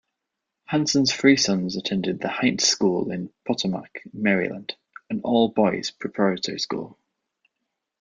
Hanssen's three sons attended The Heights School in Potomac, Maryland, an all-boys preparatory school.